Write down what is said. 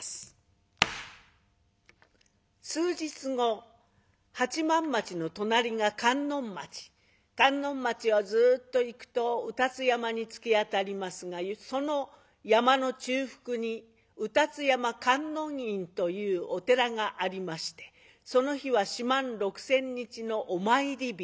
数日後八幡町の隣が観音町観音町をずっと行くと卯辰山に突き当たりますがその山の中腹に卯辰山観音院というお寺がありましてその日は四万六千日のお参り日。